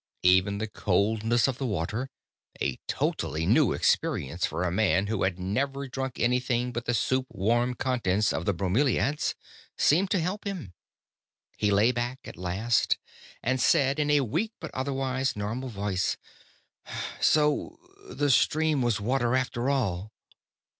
Even the coldness of the water a totally new experience for a man who had never drunk anything but the soup warm contents of the bromelaids seemed to help him. He lay back at last, and said in a weak but otherwise normal voice: "So the stream was water after all."